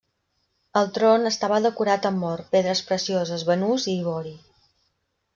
El tron estava decorat amb or, pedres precioses, banús i ivori.